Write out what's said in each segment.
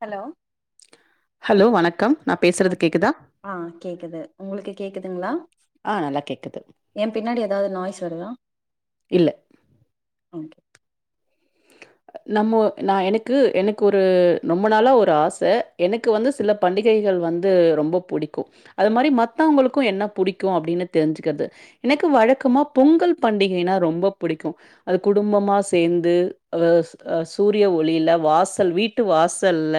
hello hello வணக்கம் நா பேசுறது கேக்குதா அ கேக்குது உங்களுக்கு கேக்குதுங்ளா ஆ நல்லா கேக்குது எ பின்னாடி எதாது நாய்ஸ் வருதா இல்ல ஓகே நம்ம நா எனக்கு எனக்கு ஒரு ரொம்ப நாளா ஒரு ஆச எனக்கு வந்து சில பண்டிகைகள் வந்து ரொம்ப புடிக்கு அது மாரி மத்தவுங்களுக்கு என்ன புடிக்கு அப்டினு தெரிஞ்சுக்கறது எனக்கு வழக்கமா பொங்கல் பண்டிகைனா ரொம்ப புடிக்கு அது குடும்பமா சேந்து அ அ சூரிய ஒளில வாசல் வீட்டு வாசல்ல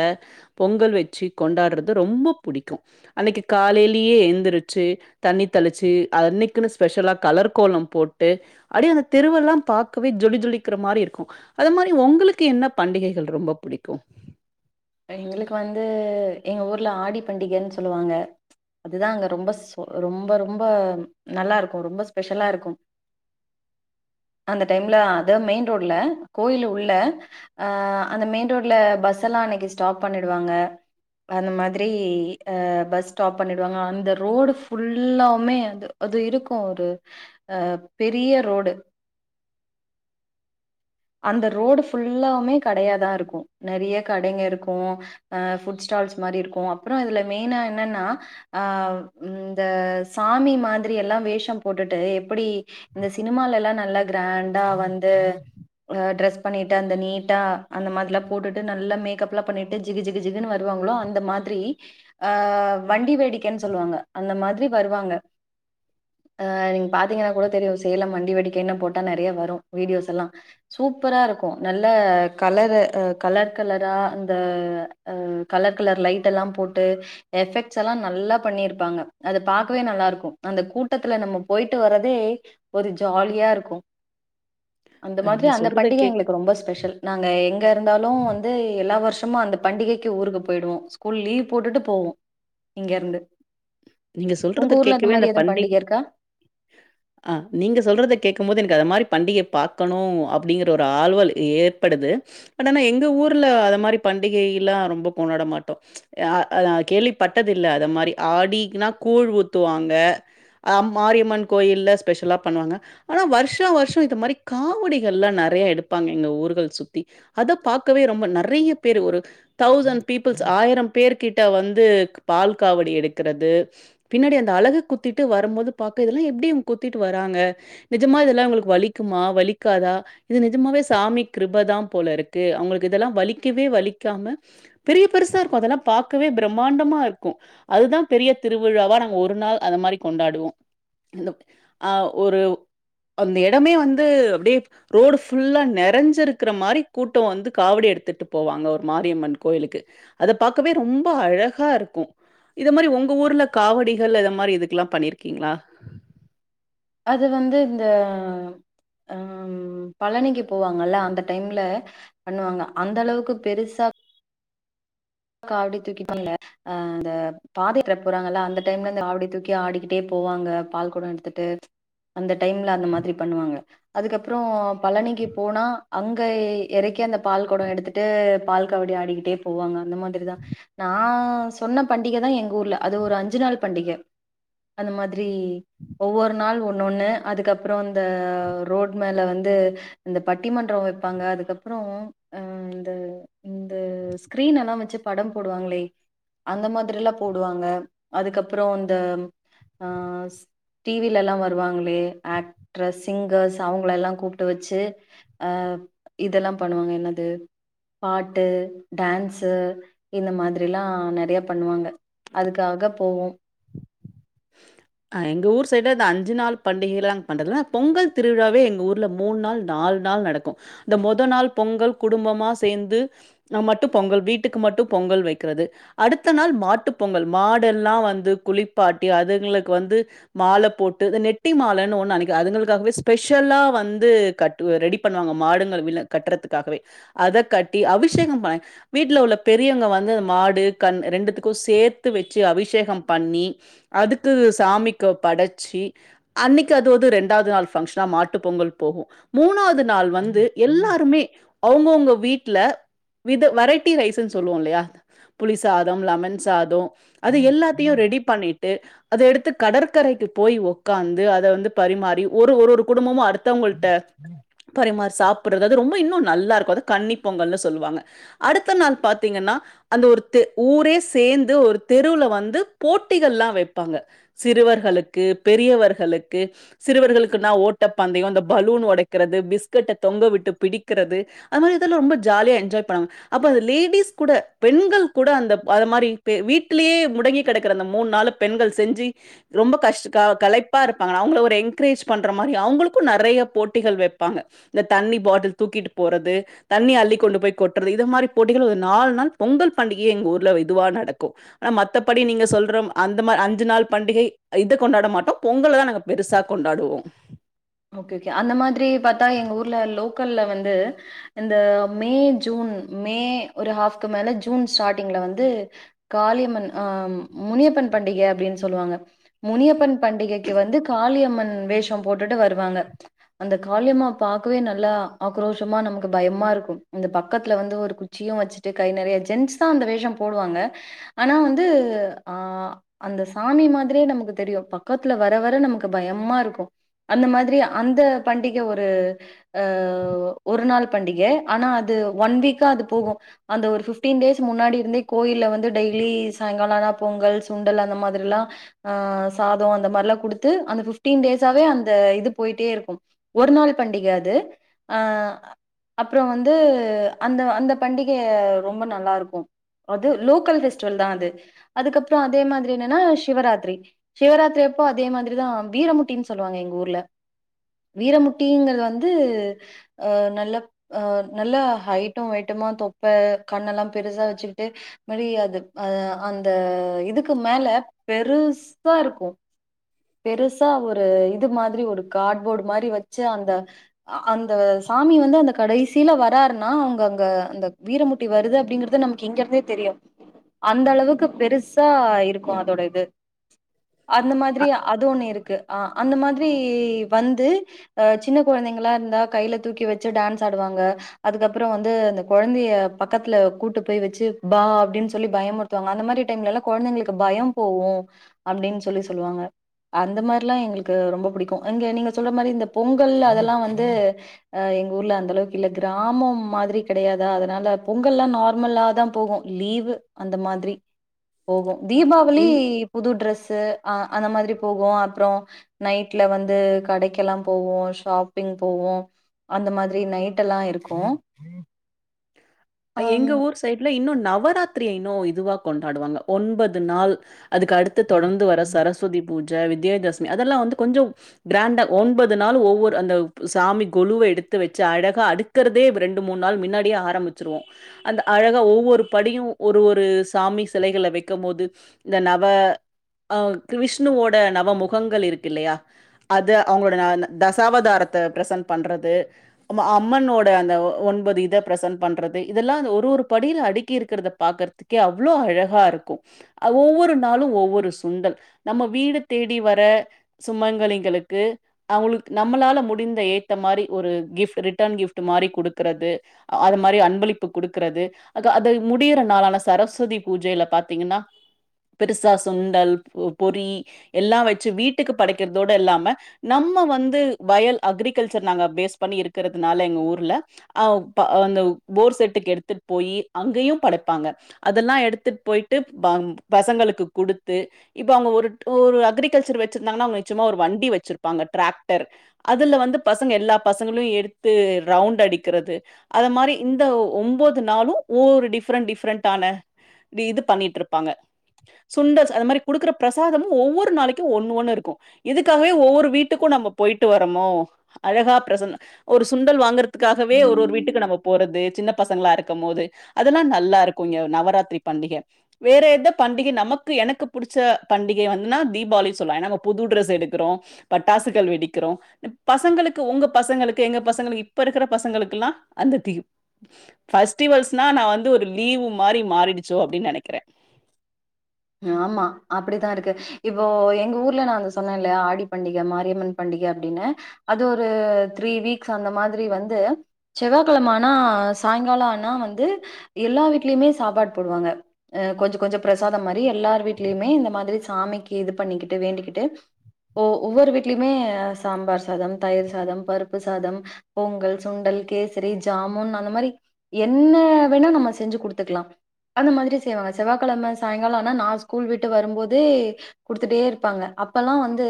பொங்கல் வெச்சு கொண்டாட்றது ரொம்ப புடிக்கு அன்னிக்கு காலைலயே எந்திரிச்சு தண்ணி தெளிச்சு அன்னிக்குன்னு ஸ்பெஷலா கலர் கோலோ போட்டு அப்டியே அந்த தெருவெல்லா பாக்கவே ஜொலி ஜோலிக்கிற மாரி இருக்கு அது மாரி உங்களுக்கு என்ன பண்டிகைகள் ரொம்ப புடிக்கு எங்களுக்கு வந்து எங்க ஊர்ல ஆடி பண்டிகைன் சொல்லுவாங்க அதுதா அங்க ரொம்ப ரொம்ப ரொம்ப நல்லா இருக்கு ரொம்ப ஸ்பெஷலா இருக்கு அந்த டைம்ல அத மெய்ன் ரோட்ல கோயிலு உள்ள அ அந்த மெய்ன் ரோட்ல பஸ்ஸலா அன்னிக்கி ஸ்டாப் பண்ணிடுவாங்க அந்த மாதிரி ஆ பஸ் ஸ்டாப் பண்ணிடுவாங்க அந்த ரோடு ஃபுல்லாவுமே வந்து அது இருக்கு ஒரு அ பெரிய ரோடு அந்த ரோடு ஃபுல்லாவுமே கடையதா இருக்கு நறைய கடைங்க இருக்கு ஆ ஃபுட் ஸ்டால்ஸ் மாரி இருக்கு அப்புறோ அதுல மெய்னா என்னன்னா அ இந்த சாமி மாதிரி எல்லா வேஷம் போட்டுட்டு எப்புடி இந்த சினிமாலலா நல்லா க்ராண்டா வந்து ஆ ட்ரெஸ் பண்ணிட்டு அந்த நீட்டா அந்த மாரிலா போட்டுட்டு நல்லா மேக்கப்லா பண்ணிட்டு ஜிகு ஜிகு ஜிகுன்னு வருவாங்களோ அந்த மாதிரி ஆ வண்டி வேடிக்கன் சொல்லுவாங்க அந்த மாதிரி வருவாங்க ஆ நீங்க பாத்தீங்கன்னாகூட தெரியு சேலம் வண்டி வேடிக்கைனு போட்டா நறைய வரு வீடியோஸ் எல்லா சூப்பரா இருக்கு நல்ல கலரு அ கலர் கலரா இந்த ஆ கலர் கலர் லைட்டலா போட்டு எஃபெக்ட்ஸ் எல்லா நல்லா பண்ணிருப்பாங்க அத பாக்கவே நல்லா இருக்கு அந்த கூட்டத்துல நம்ம போய்ட்டு வர்றதே ஒரு ஜாலியா இருக்கு ஆ நீங்க சொ அந்த பண்டிக எங்களுக் ரொம்ப ஸ்பெஷல் நாங்க எங்க இருந்தாலு வந்து எல்லா வர்ஷமு அந்த பண்டிகைக்கு ஊருக்கு போய்டுவோ ஸ்கூல் லீவ் போட்டுட்டு போவோ இங்க இருந்து நீங்க உங்க சொல்றத ஊர்ல அந்த கேட்கவே மாரி எது பண்டிக இருக்கா அ நீங்க சொல்றத கேக்கும்போது எனக்கு அத மாரி பண்டிகைய பாக்கணு அப்டிங்கிற ஒரு ஆழ்வல் ஏற்படுது பட் ஆனா எங்க ஊர்ல அது மாரி பண்டிகைலா ரொம்ப கொண்டாட மாட்டோ அ அது நா கேள்விப்பட்டது இல்ல அது மாரி ஆடிக்குனா கூழ் ஊத்துவாங்க அம் மாரியம்மன் கோயில்வ ஸ்பெஷலா பண்ணுவாங்க ஆனா வருஷோ வருஷோ இத மாரி காவடிகள் ல்லா நெறைய எடுப்பாங்க எங்க ஊர்கள் சுத்தி அத பாக்கவே ரொம்ப நிறைய பேரு ஒரு தௌசண் பீப்பிள்ஸ் ஆயிரம் பேர் கிட்ட வந்து பால் காவடி எடுக்கிறது பின்னாடி அந்த அழக குத்திட்டு வரும்போது பாக்க இதெல்லா எப்டிம் குத்திட்டு வராங்க நெஜமா இதெல்லா இவ்ங்களுக்கு வலிக்குமா வலிக்காதா இது நிஜமாவே சாமி கிருபதா போல இருக்கு அவுங்களுக்கு இதெல்லா வலிக்கவே வலிக்காம பெரிய பெருசா இருக்கு அதெல்லா பாக்கவே பிரம்மாண்டமா இருக்கு அதுதா பெரிய திருவிழாவா நாங்க ஒரு நாள் அந்த மாரி கொண்டாடுவோ இந்த ஆ ஒரு அந்த எடமே வந்து அப்டே ரோடு ஃபுல்லா நிறஞ்சிருக்குற மாரி கூட்டோ வந்து காவடி எடுத்துட்டு போவாங்க ஒரு மாரியம்மன் கோயிலுக்கு அத பாக்கவே ரொம்ப அழகா இருக்கு இத மாரி உங் ங்க ஊரல காவடிகள் அது மாரி இதுக்கெலா பண்ணிருக்கீங்களா அது வந்து இந்த ம் பழனிக்கு போவாங்கல்ல அந்த டைம்ல பண்ணுவாங்க அந்தளவுக்கு பெருசா காவிடி தூக்கி பண்ல அ அந்த பாதையற போறாங்கல்ல அந்த டைம்ல ஆவிடி தூக்கி ஆடிக்கிட்டே போவாங்க பால் கொடோ எடுத்துட்டு அந்த டைம்ல அந்த மாதிரி பண்ணுவாங்க அதுக்கப்புறோ பழனிக்கு போனா அங்கே எறைக்கி அந்த பால் கொடோ எடுத்து ட்டு பால் காவடி ஆடிக்கிட்டே போவாங்க அந்த மாரிதா நா சொன்ன பண்டிகைதா எங்க ஊர்ல அது ஒரு அஞ்சு நாள் பண்டிக அந்த மாதிரி ஒவ்வொரு நாள் ஒன்னொண்ணு அதுக்கப்புறோ இந்த ரோட் மேல வந்து இந்த பட்டிமன்றோ வெப்பாங்க அதுக்கப்புறோ அ இந்த இது ஸ்க்ரீனு எல்லா வச்சு படம் போடுவாங்களே அந்த மாதிரில்லா போடுவாங்க அதுக்கப்புறோ இந்த ஆ ஸ் டிவில எல்லா வருவாங்களே ஆக்ட்ரஸ் சிங்கர்ஸ் அவங்கள எல்லா கூப்ட்டு வச்சு அ இதெல்லா பண்ணுவாங்க என்னது பாட்டு டேன்ஸ் ஸு இந்த மாதிரிலா நிறைய பண்ணுவாங்க அதுக்காக போவோ எங்க ஊர் சைட இந்த அஞ்சு நாள் பண்டிகைலா பண்றது இல்ல பொங்கல் திருவிழாவே எங்க ஊர்ல மூண் நாள் நாலு நாள் நடக்கு இந்த மொத நாள் பொங்கல் குடும்பமா சேந்து நம் மட்டு பொங்கல் வீட்டுக்கு மட்டு பொங்கல் வைக்கிறது அடுத்த நாள் மாட்டு பொங்கல் மாடெல்லா வந்து குளிப்பாட்டி அதுகளுக்கு வந்து மால போட்டு நெட்டி மாலன்னு ஒன்னு நினைக்க அதுங்களுக்காகவே ஸ்பெஷலா வந்து கட் ரெடி பண்ணுவாங்க மாடுங்கள் வில கட்டுறதுக்காகவே அத கட்டி அபிஷேகம் பா வீட்டுல உள்ள பெரியவங்க வந்து மாடு கண் ரெண்டுத்துக்கு சேத்து வச்சு அபிஷேகம் பண்ணி அதுக்கு சாமிக்கு படச்சி அன்னைக்கி அதுாவுது ரெண்டாவுது நாள் பங்ஷனா மாட்டு பொங்கல் போகு மூணாவது நாள் வந்து எல்லாருமே அவுங்கவுங்க வீட்டுல வித் வெரைட்டி ரைஸ்ன்னு சொல்லுவோ இல்லியா புளி சாதோ லெமன் சாதோ அது எல்லாத்தையு ரெடி பண்ணிட் டு அத எடுத்து கடற்கரைக்கு போயி உக்காந்து அத வந்து பரிமாறி ஒரு ஒரு ஒரு குடும்பமா அடுத் த்தவங்கள்ட பரிமாறி சாப்றது அது ரொம்ப இன்னு நல்லா இருக்கு அத கன்னி பொங்கல்னு சொல்லுவாங்க அடுத்த நாள் பாத்தீங்கனா ஒரு து ஊரே சேந்து ஒரு தெருவுல வந்து போட்டிகள்ல்லா வெய்ப்பாங்க சிறுவர்களுக்கு பெரியவர்களுக்கு சிறுவர்களுக்குனா ஓட்ட பந்தயோ இந்த பலூன் ஒடக்கிறது பிஸ்கட்ட தொங்க விட்டு பிடிக்றது அது மாரி இதல்லா ரோம்ப ஜாலியா என்ஜாய் பண்ணாங்க அப்ப அத லேடிஸ் கூட பெண்கள் கூட அந்த அது மாரி வீட்லியே முடங்கி கடக்குற அந்த மூண் நாளு பெண்கள் செஞ்சி ரொம்ப கஷ்ட் க கலைப்பா இருப்பாங்க அவங்ள ஒரு என்க்ரேஜ் பண்ற மாரி அவங்களுக்கு நெறைய போட்டிகள் வெப்பாங்க இந்த தண்ணி பாட்டுல் தூக்கிட் போறது தண்ணி அள்ளி கொண்டு போய் கொட்றது இத மாரி போட்டிகள் ஒரு நாலு நாள் பொங்கல் பண்டிகைய எங்க ஊர்ல இதுவா நடக்கு அனா மத்தபடி நீங்க சொல்றம் அந்த மார் அஞ்சு நாள் பண்டிகை இத கொண்டாட மாட்டோ பொங்கல தா நாங்க பெருசா கொண்டாடுவோ ஓகே உகே அந்த மாத்ரி பாத்தா எங்க ஊர்ல லோக்கல்ல வந்து இந்த மே ஜூன் மே ஒரு ஹாஃப்க்கு மேல ஜூன் ஸ்டாடிங்ல வந்து காளியம்மன் அ முனியப்பன் பண்டிக அப்டின் சொல்லுவாங்க முனியப்பன் பண்டிகைக்கு வந்து காளியம்மன் வேஷ போட்டுட்டு வருவாங்க அந்த காளியம்மா பாக்கவே நல்லா ஆக்ரோஷமா நம்க்கு பயமா இருக்கு இந்த பக்கத்ல வந்து ஒரு சியு வச்சிட்டு கை நெறய ஜென்ஸ்தா அந்த வேஷ போடுவாங்க அனா வந்து ஆ அந்த சாமி மாத்ரியே நமக்கு தெரியு பக்கத்ல வர வர நமக்கு பயம்மாருக்கு அந்த மாத்ரி அந்த பண்டிக ஒரு அ ஒரு நாள் பண்டிக ஆனா அது ஒன் வீக்கா அது போகு அந்த ஒரு ஃபிப்டீன் டேஸ் முன்னாடி இருந்தே கோயில வந்து டெய்லி சாயங்கால ஆனா பொங்கல் சுண்டல் அந்த மாதுருல்லா ஆ சாதோ அந்த மாரிலா குடுத்து அந்த ஃபிப்டீன் டேஸாவே அந் த இது போயிட்டே இருக்கு ஒரு நாள் பண்டிக அது அ அப்றோ வந்து அந்த அந்த பண்டிக ரொம்ப நல்லாருக்கு அது லோக்கல் ஃபெஸ்டிவல்தா அது அதுக்கப்றோ அதே மாத்ரி என்னனா சிவராத்ரி சிவராத்ரி அப்போ அதே மாத்ரிதா வீரமுட்டின் சொல்லுவாங்க எங்க ஊர்ல வீரமுட்டிங்கற்து வந்து அ நல்ல அ நல்லா ஹைட்டு வெய்ட்டுமா தொப்ப கண்ணல்லா பெருசா வச்சுக்கிட்டு மரி அது அது அந்த இதுக்கு மேல பெருசா இருக்கு பெருசா ஒரு இது மாத்ரி ஒரு காட்போட் மாரி வச்சு அந்த அ அந்த சாமி வந்து அந்த கடைசில வராருனா அவ்ங்க அங்க அந்த வீரமு ட்டி வருது அப்டிங்கற்த நம்க்கு இங்கர்த்தே தெரியு அந் அளவுக்கு பெருசா இருக்கு அதோட இது அந்த மாத்ரி அது ஒன்னு இருக்கு அ அந்த மாத்ரி வந்து அ சின்ன கொழந்தைங்ளா இருந்தா கைல தூக்கி வச்சு டான்ஸ் ஆடுவாங்க அதுக்கப்புற வந்து இந்த கொழந்தய பக்கத்ல கூட்டு போய் வச்சி பா அப்டின் சொல்லி பயமுற்த் த்துவாங்க அந்த மாரி டைம்லல்லா கொழந்தைங்ளுக்கு பய போகு அப்டின் சொல்லி சொல்லுவாங்க அந்த மார்லா எங்ளுக்கு ரொம்ப புடிக்கு இங்க நீங்க சொல்ற மாரி இந்த பொங்கல் அதல்லா வந்து அ எங் ஊர்ல அந்த அளவுக்கு இல்ல கிராமொம் மாத்ரி கடயாதா அதனால பொங்கல்லா நார்மல்லாதா போகு லீவு அந்த மாத்ரி போகு தீபாவளி இன் புது ட்ரெஸ்ஸு அ அந்த மாத்ரி போகு அப்றோ நைட்ல வந்து கடைக்கல்லா போவோ ஷாப்பிங் போவோ அந்த மாத்ரி நைட்டல்லா இருக்கு அ எங்க ஊர் சைட்ல இன்னு நவராத்ரிய இன்னு இதுவா கொண்டாடுவாங்க ஒன்பது நாள் அதுக்கு அடுத்து தொடர்ந்து வர சரஸ்வதி பூஜ வித்யதசமி அதல்லா வந்து கொஞ்சு கிராண்டா ஒன்பது நாளு ஒவ்வொரு அந்த சாமி கொலுவ எடுத்து வெச்சு அழகா அடுக் குறதே ரெண்டு மூண் நாள் மின்னாடியே ஆரம்பி ச்சிருவோ அந்த அழகா ஒவ்வொரு படியு ஒரு ஒரு சாமி சிலைகள வெக்கம்மோது இந்த நவ அ விஷ்ணுவோட நவ முகங்கள் இருக்கில்லையா அது அவுங்களோட நா தசாவதாரத்த ப்ரெசென் பண்றது அம் அம்மனோட அந்த ஒன்பது இத ப்ரெசன் பண்றது இதெல்லா அந்த ஒரு ஒரு படியில அடுக்கி இருக்கிறத பாக்கற்துக்கே அவ்வளோ அழகா இருக்கு அ ஒவ்வொரு நாளு ஒவ்வொரு சுண்டல் நம்ம வீடு தேடி வர சுமங்கலிகளுக்கு அவுங்களுக் நம்மளால முடிந்த ஏத்த மாரி ஒரு கிஃப்ட் ரிட்டர்ன் கிஃப்ட் மாரி குடுக்குறது அதம் மாரி அன்பளிப்பு குடுக்கிறது அ க அது முடிகிற நாளான சரஸ்வதி பூஜையில பாத்தீங்கன்னா பெருசா சுண்டல் ப பொரி எல்லா வெச்சு வீட்டுக்கு படைக்கிற்தோட இல்லாம நம்ம வந்து வயல் அக்ரிகல்ச்சர் நாங்க பேஸ் பண்ணி இருக்கிறதுனால எங்க ஊர்ல அ ப அந்த போர் செட்டுக்கு எடுத்துட் போயி அங்கயும் படைப்பாங்க அதெல்லா எடுத்துட்டு போயிட்டு ப பசங்களுக்கு குடுத்து இப்ப அவங்க ஒரு ஒரு அக்ரிகல்ச்சர் வெச்சிருந்தாங்ன்னா அவுங்க நிச்சமா ஒரு வண்டி வெச்சிருப்பாங்க டிராக்டர் அதுல வந்து பசங்க எல்லா பசங்களையு எடுத்து ரவுண்ட் அடிக்கிறது அத மாரி இந்த உம்பது நாளு ஒவ்வொரு டிஃப்ரெண்ட் டிஃபரெண்டான இது பண்ணிட்ருப்பாங்க சுண்டல்ஸ் அது மாதிரி குடுக்கிற பிரசாதமு ஒவ்வொரு நாளைக்கு ஒண்ணு ஒண்ணு இருக்கு இதுக்காகவே ஒவ்வொரு வீட்டுக்கு நம்ம போயிட்டு வரமோ அழகா ப்ரெசன் ஒரு சுண்டல் வாங்கறத் துக்காகவே ஒரு ஒரு அம் வீட்டுக்கு நம்ம போறது சின்ன பசங்களா இருக்கும் போது அதெல்லா நல்லா இருக்கு இங்க நவராத்திரி பண்டிக வேற எத பண்டிகை நமக்கு எனக்கு புடிச்ச பண்டிகை வந்துன்னா தீபாவளி சொல்லா ஏனா நம்ம புது ட்ரெஸ் எடுக்குறோ பட்டாசுக்கள் வெடிக்கிறோ பசங்களுக்கு உங்க பசங்களுக்கு எங்க பசங்களுக்கு இப்ப இருக்கிற பசங்களுக்குல்லா அந்த தீ ஃபஸ்டிவல்ஸ்னா நா வந்து ஒரு லீவு மாரி மாறிடிச்சோ அப்டின் நெனைக்கிறே ஆமா அப்படிதா இருக்கு இப்போ எங்க ஊர்ல நா அந்த சொன்னேன்ல்ல ஆடி பண்டிக மாரியம்மன் பண்டிக அப்டினு அது ஒரு த்ரீ வீக்ஸ் அந்த மாதிரி வந்து செவ்வாகெழம ஆனா சாய்ங்காலோ ஆனா வந்து எல்லா வீட்லயுமே சாப்பாடு போடுவாங்க அ கொஞ்ச கொஞ்ச பிரசா தம் மாரி எல்லார் வீட்லயுமே இந்த மாதிரி சாமிக்கு இது பண்ணிக்கிட்டு வேண்டிக்கிட்டு ஓ ஒவ்வொரு வீட்லியுமே சாம்பார் சாதம் தயிர் சாதம் பருப்பு சாதம் பொங்கல் சுண்டல் கேசரி ஜாமுன் அந்த மாரி என்ன வேணா நம்ம செஞ்சு குடுத்துக்லா அந்த மாதிரி செய்வாங்க செவ்வாக்கெழம சாயங்கால ஆனா நா ஸ்கூல் விட்டு வரும்போதே குடுத்துட்டே இருப்பாங்க அப்பெல்லா வந்து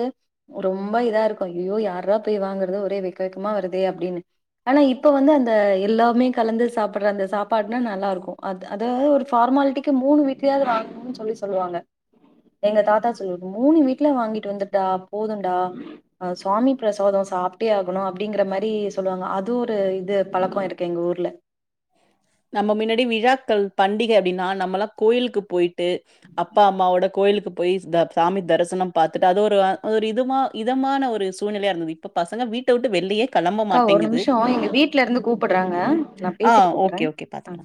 ரொம்ப இதா இருக்கு ஐயியோ யார்ரா போய் வாங்குறது ஒரே வெக்க வெக்கமா வருதே அப்டினு ஆனா இப்ப வந்து அந்த எல்லாமே கலந்து சாப்பிட்ற அந்த சாப்பாடுனா நல்லாருக்கு அ அது ஒரு ஃபார்மாலிட்டிக்கு மூணு வீட்லயாது வாங்கணுன் சொல்லி சொல்லுவாங்க எங்க தாத்தா சொல்வார் மூணு வீட்ல வாங்கிட்டு வந்துட்டா போதுன்டா அ சுவாமி பிரசாதோ சாப்ட்டே ஆகணு அப்டிங்கிற மாரி சொல்வாங்க அதுவு ஒரு இது பழக்கோ இருக்கு எங்க ஊர்ல நம்ம மின்னாடி விழாக்கள் பண்டிக அப்டின்னா நம்மல்லா கோயிலுக்கு போயிட்டு அப்பா அம்மாவோட கோயிலுக்கு போய் த சாமி தரிசனம் பாத்துட்டு அது ஒரு ஒரு இதமா இதமான ஒரு சூழ்நிலையா இருந்தது இப்ப பசங்க வீட்ட வுட்டு வெளியே அக்கா ஒரு நிமிஷோ எங்க வீட்ல இருந்து கூப்பட்றாங்க ஆ ஓகே ஓகே பாத்துக்கோ